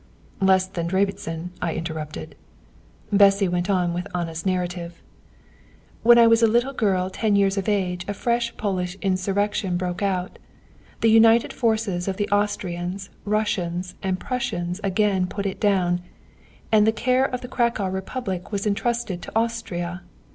'" ("Less than Debreczin," I interrupted.) Bessy went on with Anna's narrative: "'When I was a little girl ten years of age a fresh Polish insurrection broke out. The united forces of the Austrians, Russians, and Prussians again put it down, and the care of the Cracow Republic was entrusted to Austria.